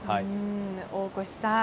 大越さん